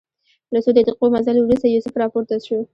له څو دقیقو مزل وروسته یوسف راپورته شو.